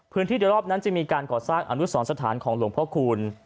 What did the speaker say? พื้นที่เดียวรอบนั้นจะมีการก่อสร้างอนุสรรค์สถานของหลวงพ่อคูณ